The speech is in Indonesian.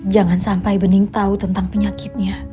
jangan sampai bening tahu tentang penyakitnya